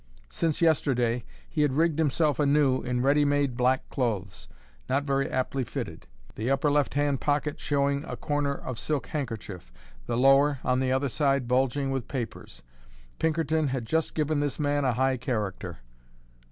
Since yesterday, he had rigged himself anew in ready made black clothes, not very aptly fitted; the upper left hand pocket showing a corner of silk handkerchief, the lower, on the other side, bulging with papers. Pinkerton had just given this man a high character.